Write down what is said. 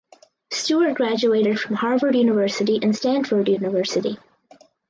Stewart graduated from Harvard University and Stanford University.